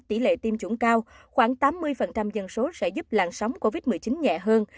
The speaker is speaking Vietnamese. tại tiêm chủng cao khoảng tám mươi dân số sẽ giúp làn sóng covid một mươi chín nhẹ hơn